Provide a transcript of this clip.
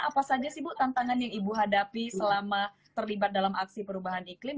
apa saja sih bu tantangan yang ibu hadapi selama terlibat dalam aksi perubahan iklim